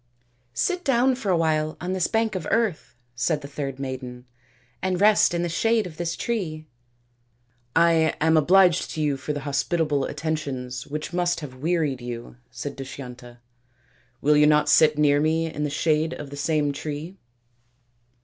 " Sit down for a while on this bank of earth," said the third maiden, " and rest in the shade of this tree." " I am obliged to you for the hospitable attentions which must have wearied you," said Dushyanta. " Will you not sit near me in the shade of the same tree